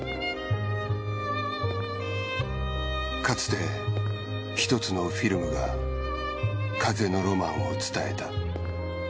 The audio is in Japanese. かつてひとつのフィルムが風のロマンを伝えた。